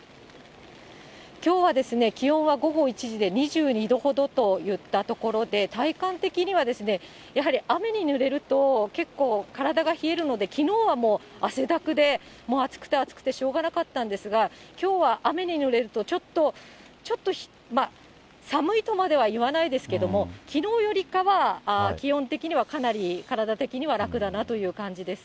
きょうは気温は午後１時で、２２度ほどといったところで、体感的にはやはり雨にぬれると結構、体が冷えるので、きのうはもう汗だくでもう暑くて暑くてしょうがなかったんですが、きょうは雨にぬれると、ちょっと寒いとまでは言わないですけども、きのうよりかは気温的にはかなり体的には楽だなという感じです。